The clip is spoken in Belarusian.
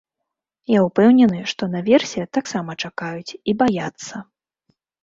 Я ўпэўнены, што наверсе таксама чакаюць і баяцца.